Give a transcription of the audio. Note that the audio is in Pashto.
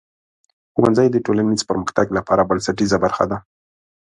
ښوونځی د ټولنیز پرمختګ لپاره بنسټیزه برخه ده.